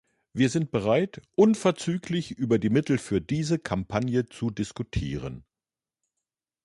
Wir sind bereit, unverzüglich über die Mittel für diese Kampagne zu diskutieren.